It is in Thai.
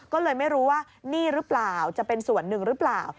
ก็เลยไม่รู้ว่านี่หรือเปล่าจะเป็นส่วนหนึ่งหรือเปล่า